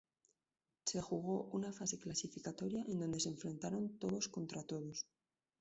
Se jugó una fase clasificatoria en donde se enfrentaron todos contra todos.